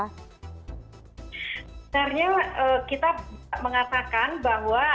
sebenarnya kita mengatakan bahwa